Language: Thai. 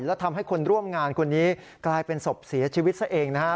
และทำให้คนร่วมงานคนนี้กลายเป็นศพเสียชีวิตซะเองนะฮะ